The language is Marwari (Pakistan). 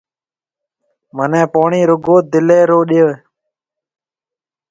مهنَي پوڻِي رُگو دِليَ رو ڏيا۔